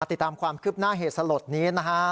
ติดตามความคืบหน้าเหตุสลดนี้นะฮะ